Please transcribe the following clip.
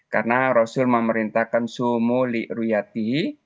karena rasul memerintahkan sumu li ru yatihi